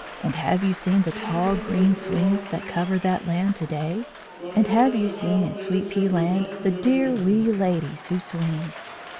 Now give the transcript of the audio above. And have you seen the tall green swings That cover that Land to day? And have you seen in Sweet pea Land The dear wee ladies who swing?